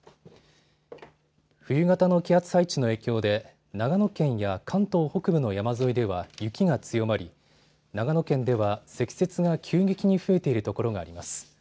冬型の気圧配置の影響で長野県や関東北部の山沿いでは雪が強まり長野県では、積雪が急激に増えているところがあります。